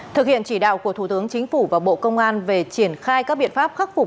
thực hiện chỉ đạo của thủ tướng chính phủ và bộ công an về triển khai các biện pháp khắc phục